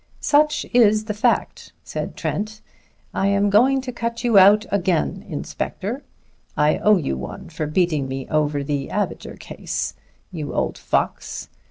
"Such is the fact," said Trent. "I am going to cut you out again, Inspector. I owe you one for beating me over the Abinger case, you old fox.